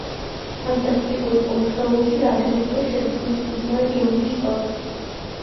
ფანტასტიკურ ოთხეულში აგრეთვე შედის მისი ძმა ჯონი შტორმი.